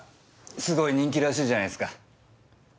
すごい人気らしいじゃないですか。